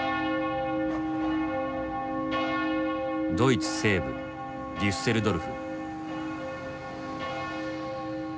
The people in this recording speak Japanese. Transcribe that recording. ドイツ西部デュッセルドルフ。